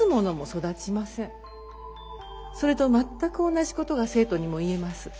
それと全く同じことが生徒にも言えます。